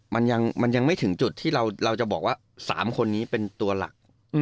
มันยังไม่ถึงจุดที่เราจะบอกว่า๓คนนี้เป็นตัวหลัก